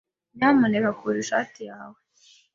Nyamuneka kura ishati yawe.